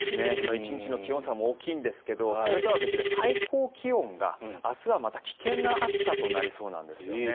１日の気温差も大きいんですがそれとは別で、最高気温が明日はまた危険な暑さとなりそうなんですよね。